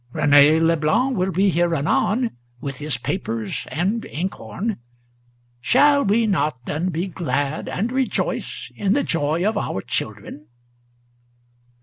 René Leblanc will be here anon, with his papers and inkhorn. Shall we not then be glad, and rejoice in the joy of our children?"